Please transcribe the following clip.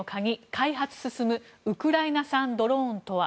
開発進むウクライナ産ドローンとは。